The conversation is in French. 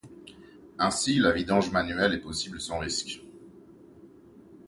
Ainsi, la vidange manuelle est possible sans risque.